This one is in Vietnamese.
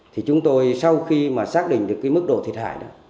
thì chúng tôi sau khi mà xác định được cái mức độ thiệt hại đó